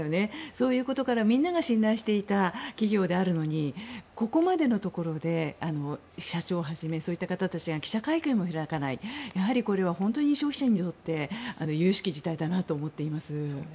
そうしたことからみんなが信頼していた企業であるのにここまでのところで社長はじめそういった方たちが記者会見も開かないこれは消費者にとって由々しき事態だと思っています。